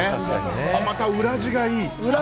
まぁまた裏地がいい。